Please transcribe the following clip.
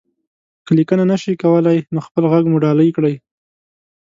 که ليکنه نشئ کولی، نو خپل غږ مو ډالۍ کړئ.